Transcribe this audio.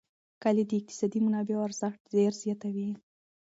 کلي د اقتصادي منابعو ارزښت ډېر زیاتوي.